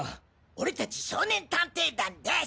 俺たち少年探偵団です！